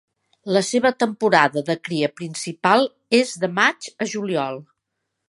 La seva temporada de cria principal és de maig a juliol.